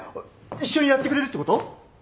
一緒にやってくれるってこと？